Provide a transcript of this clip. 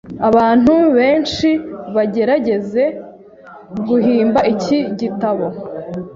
Abantu benshi bagerageze guhimba iki gitabo